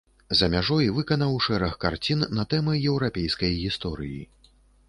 За мяжой выканаў шэраг карцін на тэмы еўрапейскай гісторыі.